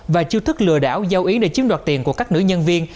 và chiêu thức lừa đảo giao ý để chiếm đoạt tiền của các nữ nhân viên